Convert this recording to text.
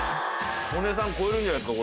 曽根さん超えるんじゃないですか？